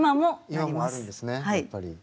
やっぱり。